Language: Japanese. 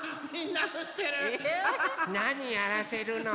なにやらせるの。